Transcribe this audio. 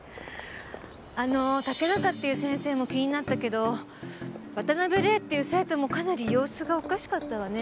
あの竹中っていう先生も気になったけど渡辺玲っていう生徒もかなり様子がおかしかったわね。